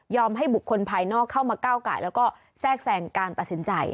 ให้บุคคลภายนอกเข้ามาก้าวไก่แล้วก็แทรกแทรงการตัดสินใจ